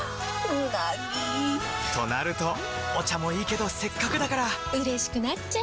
うなぎ！となるとお茶もいいけどせっかくだからうれしくなっちゃいますか！